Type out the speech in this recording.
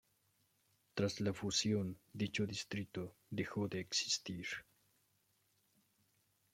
Tras la fusión, dicho distrito dejó de existir.